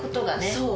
そう。